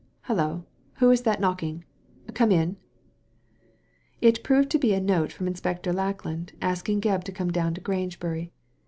Hullo! Who is that knocking ? Come in." It proved to be a note from Inspector Lackland, asking Gebb to come down to Grangebury.